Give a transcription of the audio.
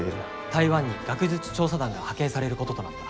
台湾に学術調査団が派遣されることとなった。